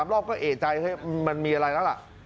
๒๓รอบก็เอ๋อใจให้มันมีอะไรนะละ